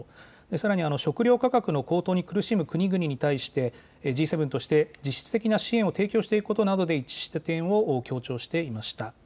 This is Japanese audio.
さらに、食両価格の高騰に苦しむ国々に対してＧ７として実質的な支援を提供していくことで一致した点を強調していました。